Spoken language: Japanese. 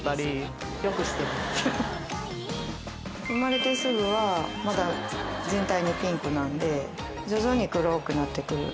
生まれてすぐはまだ全体ピンクなんで徐々に黒くなってくる。